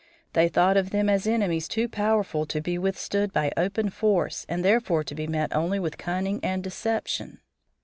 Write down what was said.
They thought of them as enemies too powerful to be withstood by open force and therefore to be met only with cunning and deception.